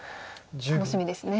楽しみですね。